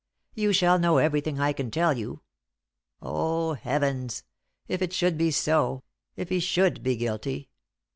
"You shall know everything I can tell you. Oh, Heavens! If it should be so if he should be guilty!